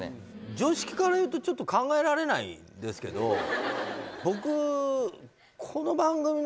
常識からいうとちょっと考えられないですけど僕。